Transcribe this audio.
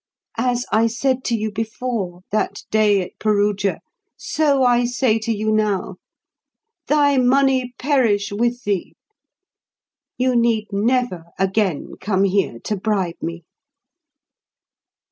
As I said to you before, that day at Perugia, so I say to you now, 'Thy money perish with thee.' You need never again come here to bribe me."